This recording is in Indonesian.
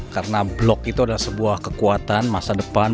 karena blog itu adalah sebuah kekuatan masa depan